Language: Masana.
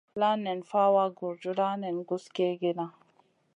La nen fawa gurjuda nen guss kegena.